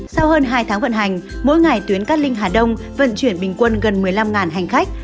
sau hơn hai tháng vận hành mỗi ngày tuyến cát linh hà đông vận chuyển bình quân gần một mươi năm hành khách